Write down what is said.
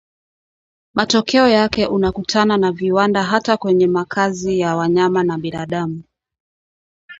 Matokeo yake unakutana na viwanda hata kwenye makazi ya wanyama na binadamu